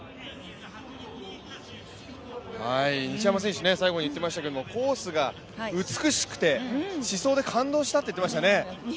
西山選手、最後にいっていましたがコースが美しくて試走で感動したと言ってましたね。